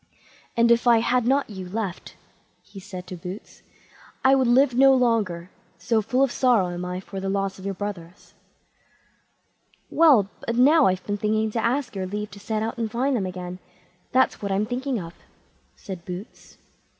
"And if I had not you left", he said to Boots, "I would live no longer, so full of sorrow am I for the loss of your brothers." "Well, but now I've been thinking to ask your leave to set out and find them again; that's what I'm thinking of", said Boots.